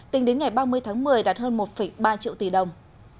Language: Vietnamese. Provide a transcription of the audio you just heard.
tính đến ngày ba mươi tháng một mươi đạt hơn một ba triệu tỷ đồng